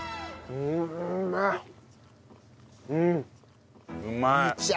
うん。